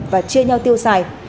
và chia nhau tiêu xài